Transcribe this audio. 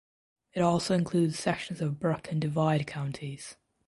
It also includes sections of Burke and Divide counties.